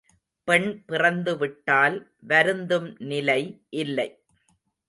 பெண் பிறந்துவிட்டால் வருந்தும் நிலை இல்லை.